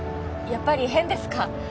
やっぱり変ですか？